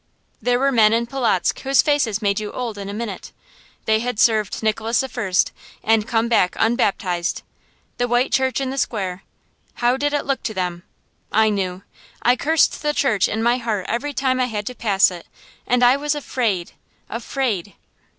There were men in Polotzk whose faces made you old in a minute. They had served Nicholas I, and come back unbaptized. The white church in the square how did it look to them? I knew. I cursed the church in my heart every time I had to pass it; and I was afraid afraid.